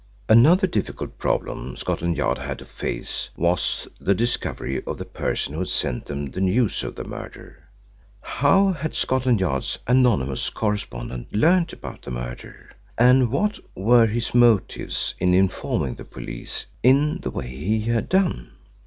Another difficult problem Scotland Yard had to face was the discovery of the person who had sent them the news of the murder. How had Scotland Yard's anonymous correspondent learned about the murder, and what were his motives in informing the police in the way he had done?